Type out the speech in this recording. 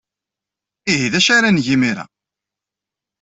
Ihi d acu ara neg imir-a?